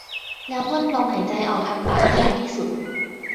แล้วพ่นลมหายใจออกทางปากให้ยาวที่สุด